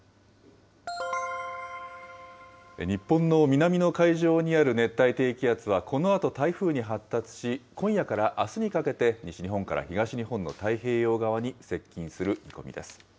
日本の南の海上にある熱帯低気圧はこのあと台風に発達し、今夜からあすにかけて西日本から東日本の太平洋側に接近する見込みです。